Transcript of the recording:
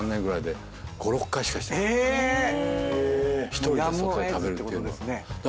１人で外で食べるっていうのは。